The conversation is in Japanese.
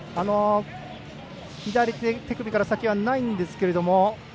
左手首から先はないんですけれども。